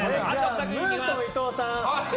ムートン伊藤さん。